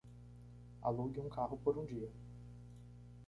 Alugue um carro por um dia